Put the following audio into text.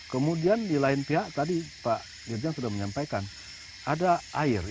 kemudian di lain pihak tadi pak irjang sudah menyampaikan ada air